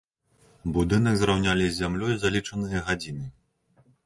Будынак зраўнялі з зямлёй за лічаныя гадзіны.